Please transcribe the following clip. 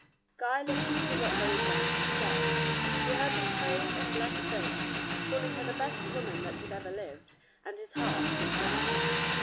Guy listened to what those round him said. He heard them praise and bless Phyllis, calling her the best woman that had ever lived, and his heart was glad.